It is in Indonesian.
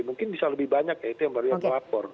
mungkin bisa lebih banyak ya itu yang baru yang melapor